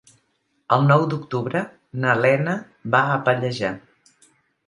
El nou d'octubre na Lena va a Pallejà.